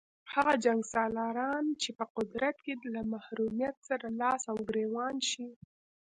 هغه جنګسالاران چې په قدرت کې له محرومیت سره لاس او ګرېوان شي.